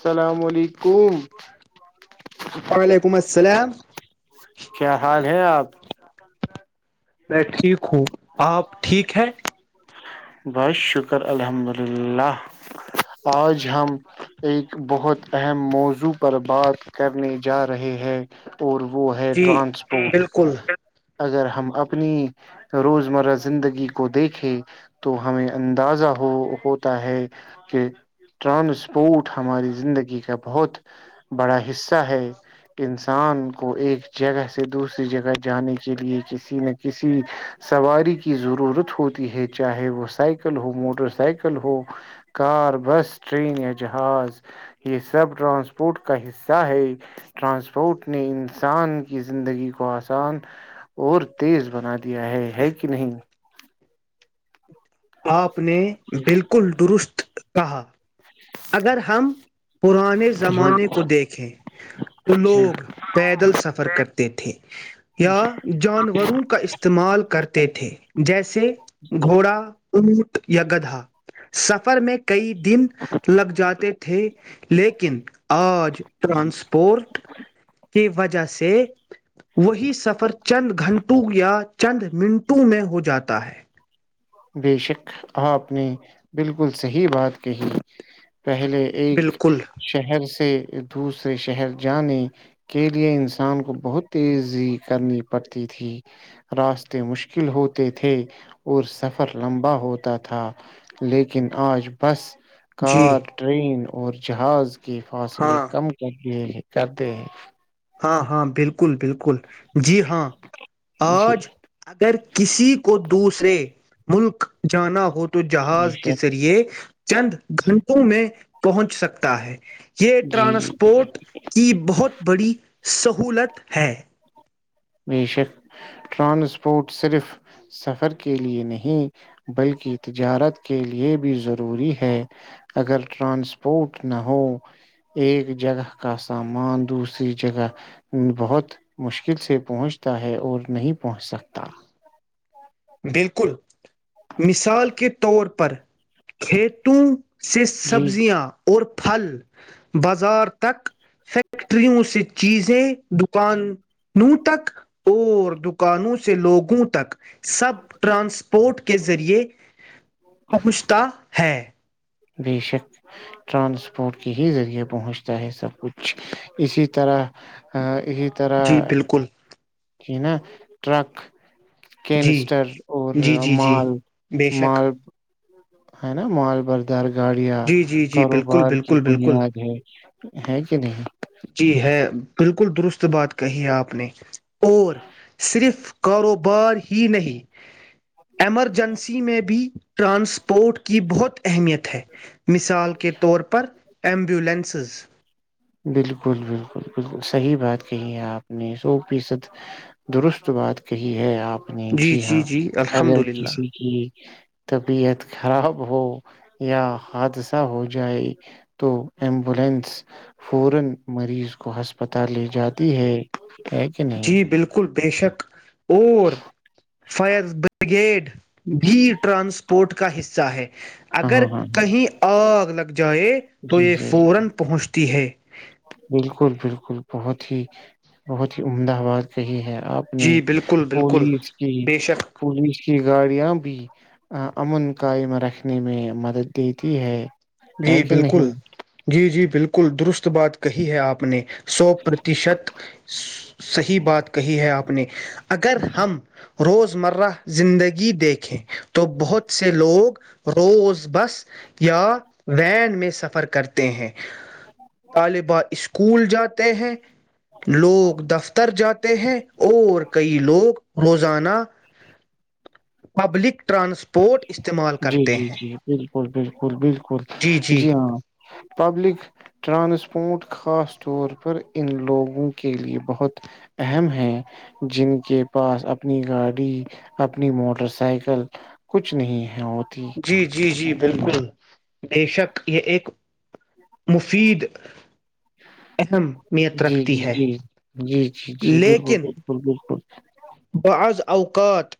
السلام علیکم وعلیکم السلام کیا حال ہے آپ نہیں ٹھیک ہوں آپ ٹھیک ہے بس شکر الحمد للہ آج ہم ایک بہت اہم موضوع پر بات کرنے جا رہے ہیں اور وہ ہے جی ٹرانسپورٹ بالکل اگر ہم اپنی روزمرہ زندگی کو دیکھے تو ہمیں اندازہ ہو ہوتا ہے کہ ٹرانسپورٹ ہماری زندگی کا بہت بڑا حصہ ہے انسان کو ایک جگہ سے دوسری جگہ جانے کے لیے کسی نہ کسی سواری کی ضرورت ہوتی ہے چاہے وہ سائیکل ہو موٹر سائیکل ہو کار بس ٹرین یا جہاز یہ سب ٹرانسپورٹ کا حصہ ہے ٹرانسپورٹ نے انسان کی زندگی کو آسان اور تیز بنا دیا ہے ہے کہ نہیں آپ نے بالکل درست کہا اگر ہم پرانے جی زمانے کو دیکھیں تو جی لوگ پیدل سفر کرتے تھے یا جانوروں کا استعمال کرتے تھے جیسے گھوڑا اونٹ یا گدھا سفر میں کئی دن لگ جاتے تھے [inaudible] لیکن آج رانسپورٹ وجہ سے وہی سفر چند گھنٹوں یا چند منٹوں میں ہو جاتا ہے بے شک آپ نے بالکل صحیح بات کہی پہلے ایک بالکل شہر سے دوسرے شہر جانے کے لیے انسان کو بہت تیزی کرنی پڑتی تھی راستے مشکل ہوتے تھے اور سفر لمبا ہوتا تھا لیکن آج بس جی کار ٹرین اور جہاز کے فاصلے ہاں کم کر جی جی کرتے ہیں ہاں ہاں بالکل بالکل جی ہاں جی آج اگر کسی کو دوسر سے ملک جانا ہوتا تو جی جہاز کے سر ذریعے چند گھنٹوں میں پہنچ سکتا ہے یہ جی جی ٹرانسپورٹ کی بہت بڑی سہولت ہے بے شک ٹرانسپورٹ صرف سفر کے لیے نہیں بلکہ تجارت کے لیے بھی ضروری ہے اگر ٹرانسپورٹ نہ ہو ایک جگہ کا سامان دوسری جگہ بہت مشکل سے پہنچتا ہے اور نہیں پہنچ سکتا بالکل مثال کے طور پر کھیتوں سس جی سبزیاں اور پھل بازار تک فیکیکٹریوں سٮت چیزیں دکانوں تک اور دکانوں سے لوگوں تک سب ٹرانسپورٹ کے ذریعے پہنچتا ہے بے شک ٹرانسپورٹ کے ہی ذریعے پہنچتا ہے سب کچھ اسی طرح اسی طرح جی بالکل ج ن ٹرک جی کینسٹر اور جی جی جی مال بے شک مال ہے نا مال بردار گاڑیاں جی جی جی بالکل کاروبار کی بالکل بالکل بنیاد ہے ہے کہ نہیں جی ہے بالکل درست بات کہی ہے آپ نے اور صرف کاروبار ہی نہیں ایمرجنسی میں بھی ٹرانسپورٹ کی بہت اہمیت ہے مثال کے طور پر ایمبولینس ققھض بالکل بالکل بالکل صحیح بات کہی ہے آپ نے سو فیصد درست بات کہی ہے آپ نی جی ہاں اگر کسی کی طبیعت خراب ہو یا حادثہ ہو جائے تو ایمبولینس فورا مریض کو ہسپتال لے جاتی ہے ہے کہ نہیں جی بالکل بے شک اور فیض ب گیڈ بھی ٹرانسپورٹ کا حصہ ہے ہاں اگر ہاں ہاں کہیں اگ لگ جائے تو جی یہ جی فورا پہنچتی ہے بالکل بالکل بہت ہی بہت ہی عمدہ آواز کہی ہے اپنی جی بالکل بالکل پولیس کی بے شک پولیس کی گاڑیاں بھی امن قائم رکھنے میں مدد دیتی ہے ہے جی کہ بالکل نہیں جی جی بالکل درست بات کہی ہے آپ نے سو پرتیشت صحیح بات کہی ہے آپ اپنےنی اگر ہم روزمرہ زندگی دیکھیں تو بہت سے لوگ روز بس یا وین میں سفر کرتے ہیں طالبہ اسکول کوول جاتے ہیں لوگ دفتر جاتے ہیں اور کئی لوگ روزانہ پبلک ٹرانسپورٹ پوٹ استعمال کرتے ہیں فول بھی بک بالکل جی ہاں پبلک ٹرانسپورٹ خاص طور پر ان لوگوں کے لیے بہت اہم ہے جن کے پاس اپنی گاڑی اپنی موٹر سائیکل کچھ نہیں ہے اور جی جی جی بالکل بےشک یہ ایک مفید اہمیت جی رکھتی جی ہے جی جی جی جی بالکل لیکن بالکل بالکل بعض اوقات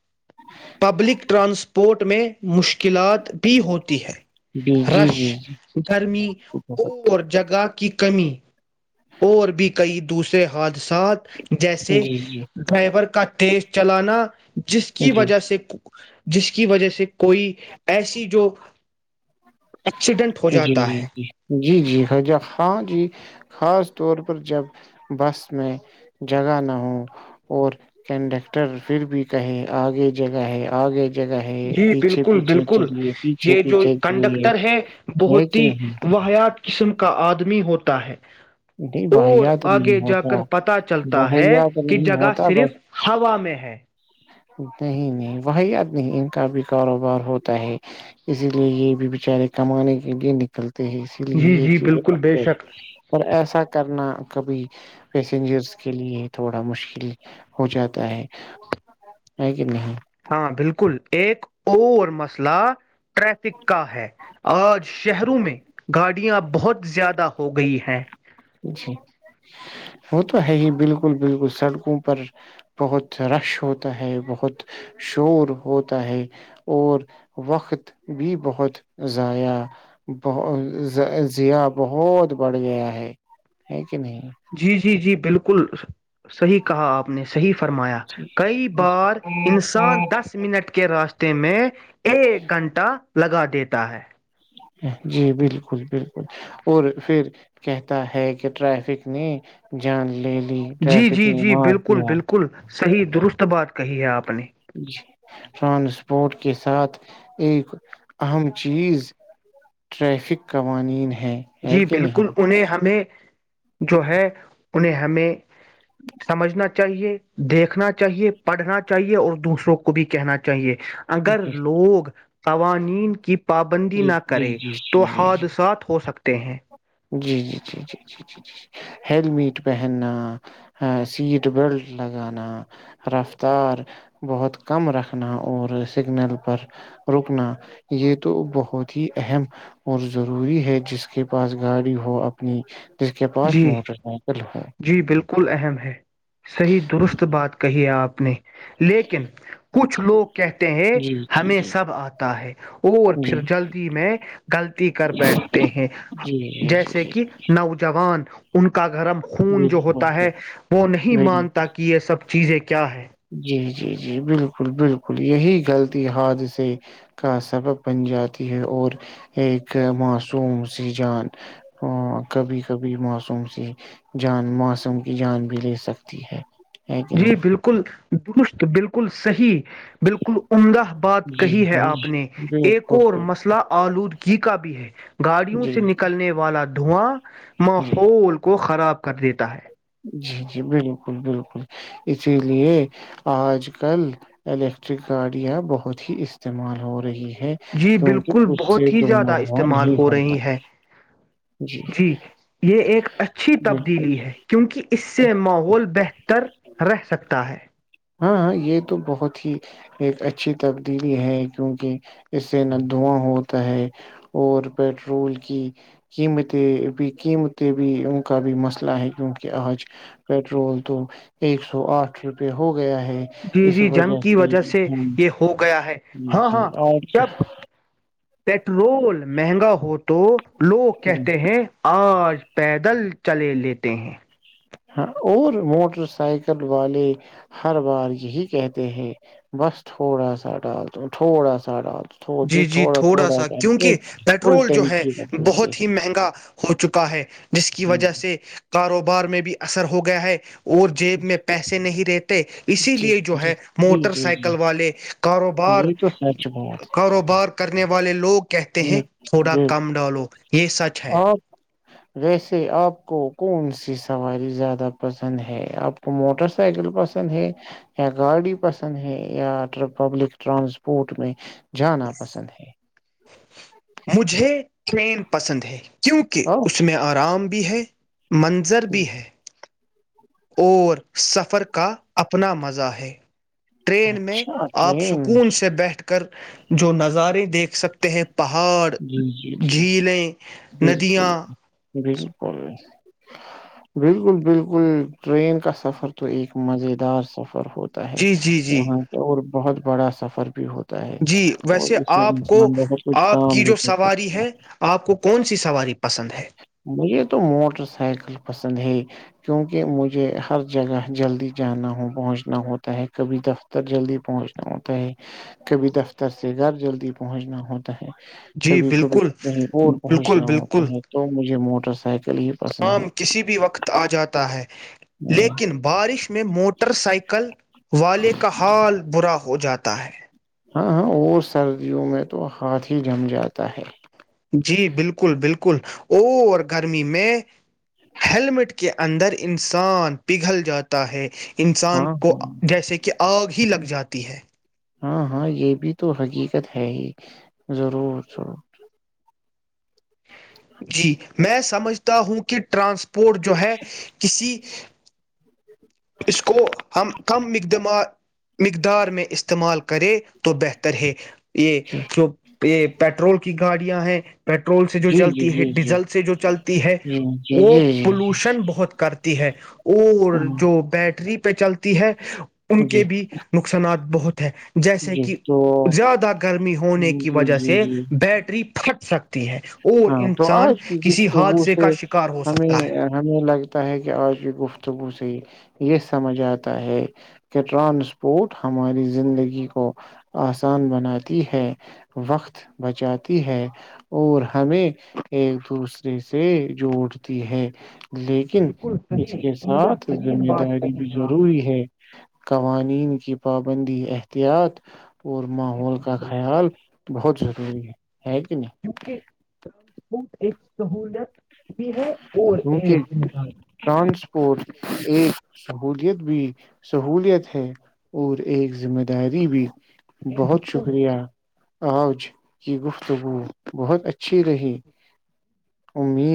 پبلک ٹرانسپورٹ میں مشکلات بھی ہوتی ہے جی جی رش جی جی گرمی اور جگہ کی کمی اور بھی کئی دوسرے حال ساتھ جیسے جی جی ڈرائیور کا ٹیسٹ چلانا جس کی جی وجہ سے جس کی وجہ سے کوئی ایسی جو ایکسیڈنٹ ہو جی جاتا جی ہے جی جی جی ہاں جی خاص طور پر جب بس میں جگہ نہ ہو اور کنڈکٹر پھر بھی کہے آگے جگہ ہے آگے جگہ ہے جی پیچھے بالکل پیچھے بالکل چلیے پیچھے یہ جو پیچھے چلیے کنڈکٹر ہے ہے بہت کہ ہی نہیں واحیا قسم کا آدمی ہوتا ہے نہیں اور بہیا تو نہیں آگے جا ہوتا کر پتا چلتا ہے بہیا تو کہ نہیں جگہ ہوتا صرف بس ہوا میں ہے نہیں نہیں ویا تو نہیں ان کا بھی کاروبار ہوتا ہے اسی لیے یہ بھی بیچارے کمانے کے لیے نکلتے اسی لیے جی یہ جی چیزیں بالکل بے شک ا ایسا کرنا کبھی پیسنجرس کے لیے تھوڑا مشکل ہو جاتا ہے ہے کہ نہیں ہاں بالکل ایک اور مسئلہ ٹریفک کا ہے آج شہروں میں گاڑیاں بہت زیادہ ہو گئی ہے جی وہ تو ہے ہی بالکل بالکل سڑکوں پر بہت رش ہوتا ہے بہت شور ہوتا ہے اور وقت بھی بہت ضاائع بہت زیا بہت بڑھ گیا ہے ہ [unintelligible] جی جی جی بالکل کل صحیح کہا آپ نے صحیح فرمایا جی کئی بار انسان دس منٹ کے کے راستے میں [unintelligible] ایک گھنٹہ لگا دیتا ہے [unintelligible] جی بالکل بالکل اور پھر کہتا ہے کہ ٹریفک نے جان لے لی جی جی ٹریفک نے جی مار بالکل دیا بالکل صحیح درست بات کر کہی ہے آپ نے [unintelligible] ٹرانسپورٹ کے ساتھ ایک اہم چیز ٹریفک قوانین ہے ہے جی کہ نہیں بالکل انہیں ہمیں جو ہے انہیں ہمیں سمجھنا چاہیے دیکھنا چاہیے پڑھنا چاہیے اور دوسروں کو بھی کہنا چاہیے اگر جی لوگ قوانین کی پابندی جی نہ جی کریں جی تو جی حادثات ہو سکتے ہیں جی جی جی جی جی جی جی ہیلمیٹ پہننا سیٹ بیلٹ لگانا رفتار بہت کم رکھنا اور سگنل پر رکنا یہ تو بہت ہی اہم اور ضروری ہے جس کے پاس گاڑی ہو اپنی جس کے جی پاس موٹر سائیکل ہو جی بالکل اہم ہے صحیح درست بات کہیے آپ نے لیکن کچھ لوگ کہتے ہیں جی جی ہمیں جی سب آتا ہے اور جی پھر جلدی میں گغلط کر بیٹھتے ہیں جی جی جیسے جی کہ نوج ان کا گرم خون جو ہوتا بالکل ہے وہ نہیں جی مانتا کہ یہ سب چیزیں کیا ہے جی جی جی بالکل بالکل یہی غلطی حادثے کا سبب بن جاتی ہے اور ایک معصوم سی جان کبھی کبھی معصوم سی جان موسم کی جان بھی لے سکتی ہے ہے کہ جی نہیں بالکل درست بالکل صحیح بالکل عمدہ بات جی کہی ہے آپ نے جی ایک اور بالکل مسئلہ آلودگ کی کی کا بھی ہے گاڑیوں جی سے جی نکلنے والا دھواں جی ماحول کو خراب کر دیتا ہے جی جی بالکل بالکل اسی لیے آج کل الیکٹرک گاڑیاں بہت ہی استعمال ہو رہی ہے جی کیونکہ بالکل اس سے بہت ہی زیادہ دونوں استعمال نہیں ہو ہوتا رہی ہے جی یہ ایک اچھی بالکل تبدیلی ہے کیونکہ اس سے ماحول [inaudible] ر رہ سکتا ہے ہاں ہاں یہ تو بہت ہی ایک اچھی تبدیلی ہے کیونکہ اس سے نہ دھواں ہوتا ہے اور پٹرول کی قیمتیں بھی قیمتیں بھی ان کا بھی مسئلہ ہے کیوںکہ آج پٹرول تو ایک سو آٹھ روپے ہو گیا ہے جی اس جی جنگ کی وجہ سے یہ ہو گیا ہے ج ہاں ہاں اکے جب پیٹرول مہنگا ہو تو لوگ کہتے ہیں آج پیدل چلے لیتے ہیں ہاں اور موٹر سائیکل والے ہر بار یہی کہتے ہیں بس تھوڑا سا ڈال دووں تھوڑا سا ڈال دو تھو جی جی تھوڑا سا کر کے کیونکہ فل پیٹرول جو ہے ٹینکی کر دیتے بہت ہی ہیں مہنگا ہو چکا ہے جس کی وجہ سے کاروبار بار میں بھی اثر ہو گیا ہے [unintelligible] اور جیب میں پیسے نہیں رہتے اسی جی لیے جو ہے جی جی موٹر جی جی سائیکل والے یہ تو سچ بات کاروبار [inaudible] کرنے والے لوگ کہتے ہیں ہے تھوڑا جی کم ڈالالو یہ سچ ہے آپ ویسے آپ کو کون سی سواری زیادہ پسند ہے آپ کو موٹر سائیکل پسند ہے یا گاڑی پسند ہے یا پبلک ٹرانسپورٹ میں جانا پسند ہے [unintelligible] مجھے ٹرین پسند ہے کیونکہ او اس میں آرام بھی ہے [unintelligible] منظر جی بھی ہے [unintelligible] اور سفر کا اپنا مزہ ہے ٹرین میں اچھا آپ ٹرین سکون سے بیٹھ کر جو نظارے دیکھ سکتے ہیں پہاڑ جی جی جی جھیلیں ندیاں بالکل بالکل بالکل بالکل ٹرین کا سفر تو ایک مز دار سفر ر ہوتا ہے جی جی جی وہاں کے اور بہت بڑا سفر بھی ہوتا ہے جی ہوتا ہے اور ویسے اس میں آپ کو انسان بہت کچھ آپ کی بھی جو کرتا سواری ہے آپ کو کون سی سواری پسند ہے مجھے تو موٹر سائیکل پسند کیوںکہ مجھے ہر جگہ جلدی جانا ہو پہنچنا ہوتا ہے کبھی دفتر جلدی پہنچنا ہوتا ہے کبھی دفتر سے گھر جلدی پہنچنا ہوتا جی کبھی کبھی بالکل کہیں اور بالکل پہنچنا ہوتا بالکل ہے موٹر سائیکل [unintelligible] پسند کام ہے کسی بھی وقت آ جاتا ہے ہاں لیکن بارش میں موٹر سائیکل والے کا حال برا ہو جاتا ہے [unintelligible] ہاں ہاں وہ سردیوں میں تو ہاتھ ہی جم جاتا ہے جی بالکل بالکل اور گرمی میں ہیلمٹ کے اندر انسان پگھل جاتا ہے انسان ہاں ہاں کو جیسے کہ آگ ہی لگ جاتی ہے ہاں ہاں یہ بھی تو حقیقت ہے ہی ضرور ضرور جی [unintelligible] میں سمجھتا ہوں کہ ٹرانسپورٹ جو ہے کسی [unintelligible] اس کو ہم کم مقدمات مقدار میں استعمال کرے تو بہتر ہے یہ جی جو [unintelligible] یہ پیٹرول کی گاڑیاں ہیں پیٹرول سے جو جی جی چلتی ہے جی ڈیزل سے جو چلتی ہے جی جی وہ جی پولوشن بہت کرتی ہے ہ [unintelligible] اور جی [unintelligible] بیٹری پہ چلتی ہے اور ان جی جی کے بھی نقصانات بہت ہے جیسے جی کہ تو زیادہ گرمی ہونے جی کی وجہ جی سے جی بیٹری خٹ سک ہاں تو آج کی گفتگو حادثے سے کا شکار ہو سکتا ہے ہمیں ہمیں لگتا ہے کہ آج کی گفتگو سے یہ سمجھ آتا ہے کہ ٹرانسپورٹ ہماری زندگی کو آسان بناتی ہے وقت بچاتی ہے اور ہمیں ایک دوسرے سے جوڑتی ہے لیکن بالکل اس صحیح کے عمدہ ساتھ ترین ذمہ بات داری کہی بھی ہے آپ نے ضروری ہے کا قوانین کی پابندی احتیاط اور ماحول کا خیال بہت ضروری ہے ہے کہ نہیں کیونکہ ٹرانسپورٹ ایک سہولت بھی ہے اور ایک دار اور ایک سہولیت بھی سہولیت ہے اور ایک ذمہ داری بھی یہ بہت بالکل شکریہ آوج کی گفتگو بہت اچھی رہی امید